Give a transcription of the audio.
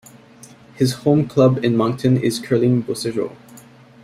His home club in Moncton is Curling Beausejour.